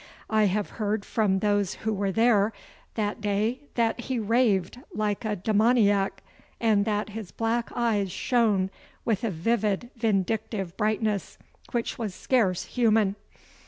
I have heard from those who were there that day that he raved like a demoniac, and that his black eyes shone with a vivid vindictive brightness which was scarce human.